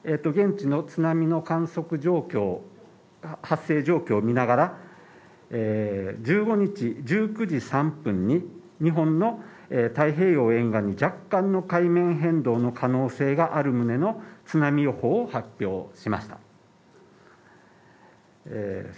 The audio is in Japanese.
そういった現地の津波の観測状況を発生状況を見ながら１５日１９時ごろに日本の太平洋沿岸に若干の海面変動の可能性がある旨の津波予報を発表しました。